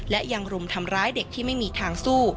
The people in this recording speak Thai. และยังรุมทำร้ายเด็กที่ไม่มีทางสู้